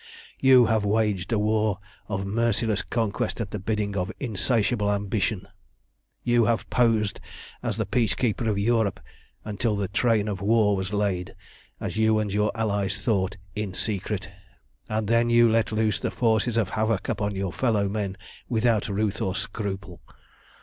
"You have waged a war of merciless conquest at the bidding of insatiable ambition. You have posed as the peace keeper of Europe until the train of war was laid, as you and your allies thought, in secret, and then you let loose the forces of havoc upon your fellow men without ruth or scruple.